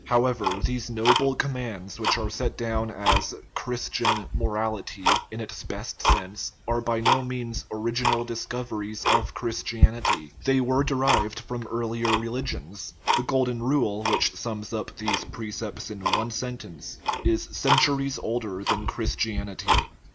However, these noble commands, which are set down as " Christian " morality (in its best sense), are by no means original discoveries of Christianity ; they are derived from earlier religions. The Golden Rule, which sums up these pre cepts in one sentence, is centuries older than Chris tianity.